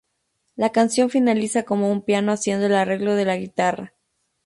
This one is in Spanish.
La canción finaliza con un piano haciendo el arreglo de la guitarra.